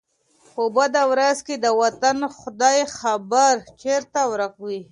په بده ورځ کي د وطن ، خداى خبر ، چرته ورک وې